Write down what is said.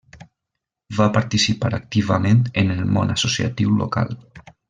Va participar activament en el món associatiu local.